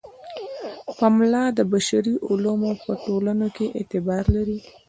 پملا د بشري علومو په ټولنو کې اعتبار لري.